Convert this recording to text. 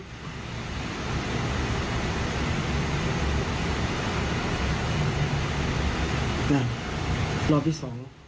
นั่นรอบที่สอง